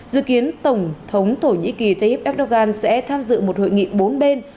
dự kiến tổng thống thổ nhĩ kỳ tayyip erdogan sẽ tham dự một hội nghị bốn bên